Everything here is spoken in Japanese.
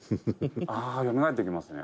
「ああよみがえってきますね」